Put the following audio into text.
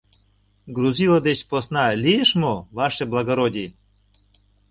— Грузило деч посна лиеш мо, ваше благородий?